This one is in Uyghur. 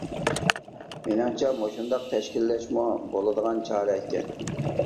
مېنىڭچە، مۇشۇنداق تەشكىللەشمۇ بولىدىغان چارە ئىكەن.